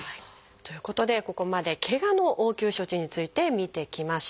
ということでここまでケガの応急処置について見てきました。